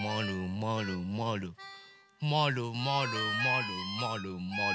まるまるまるまるまるまるまる。